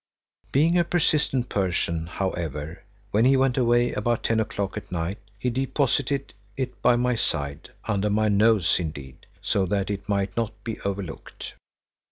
Being a persistent person, however, when he went away about ten o'clock at night, he deposited it by my side, under my nose indeed, so that it might not be overlooked.